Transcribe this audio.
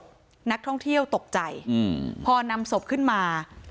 คือตอนที่พบศพคือตอนที่พบศพค่ะคือตอนที่พบศพค่ะคือตอนที่พบศพค่ะ